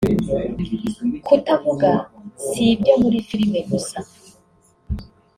Kutavuga si ibyo muri filime gusa